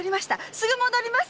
すぐ戻ります！